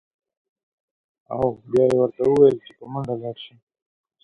او بیا یې ورته ویل: په منډه لاړ شه.